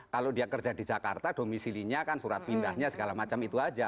kalau dia kerja di jakarta domisilinya kan surat pindahnya segala macam itu aja